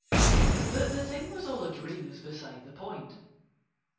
That the thing was all a dream is beside the point.